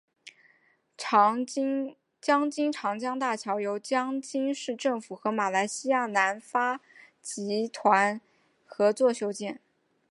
江津长江大桥由江津市政府和马来西亚南发集团合作修建。